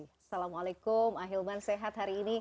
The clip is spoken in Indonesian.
assalamualaikum ahilman sehat hari ini